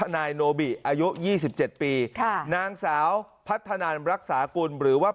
นายโนบิอายุยี่สิบเจ็ดปีค่ะนางสาวพัฒนารักษาคุณหรือว่า